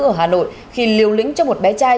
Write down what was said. ở hà nội khi liều lĩnh cho một bé trai